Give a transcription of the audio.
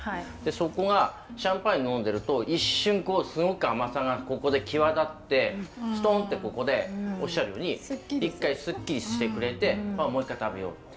そこがシャンパーニュ飲んでると一瞬すごく甘さがここで際立ってストンとここでおっしゃるように一回スッキリしてくれてもう一回食べようと。